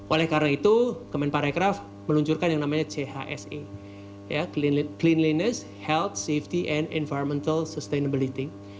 oleh karena itu kemenparekraf meluncurkan yang namanya chse cleanliness health safety and environmental sustainability